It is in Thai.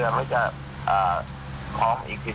สวัสดีครับ